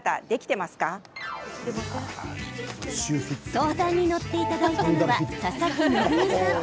相談に乗っていただいたのは佐々木恵さん。